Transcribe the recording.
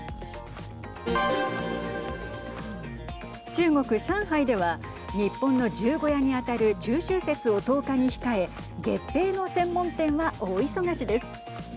中国・上海では日本の十五夜に当たる中秋節を１０日に控え月餅の専門店は大忙しです。